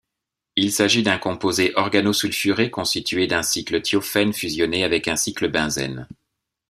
Il s'agit d'un composé organosulfuré constitué d'un cycle thiophène fusionné avec un cycle benzène.